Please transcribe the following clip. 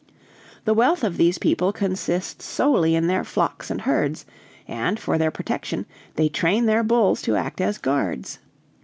"The wealth of these people consists solely in their flocks and herds, and, for their protection, they train their bulls to act as guards.